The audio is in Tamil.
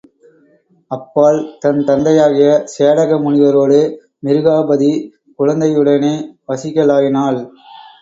அப்பால் தன் தந்தையாகிய சேடக முனிவரோடு மிருகாபதி குழந்தையுடனே வசிக்கலாயினாள்.